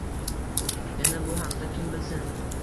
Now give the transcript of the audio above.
Yana bu haqda kim bilsin.